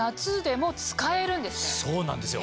そうなんですよ。